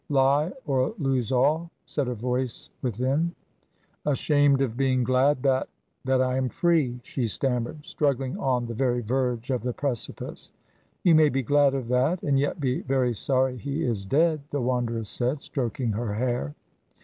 Lie, or lose all, said a voice within. "Ashamed of being glad that that I am free," she stammered, struggling on the very verge of the precipice. "You may be glad of that, and yet be very sorry he is dead," the Wanderer said, stroking her hair.